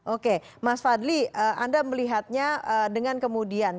oke mas fadli anda melihatnya dengan kemudian